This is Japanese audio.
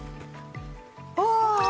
ああ！